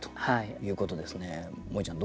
もえちゃん